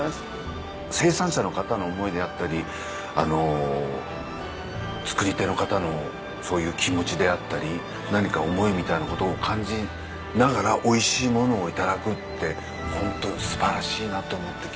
生産者の方の思いであったりあの作り手の方のそういう気持ちであったり何か思いみたいな事を感じながらおいしいものを頂くってホント素晴らしいなと思って。